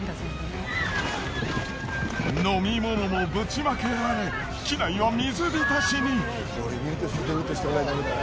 飲み物もぶちまけられ機内は水びたしに。